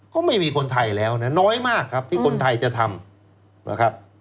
ก็ไม่มีคนไทยแล้วน้อยมากที่คนไทยจะทำ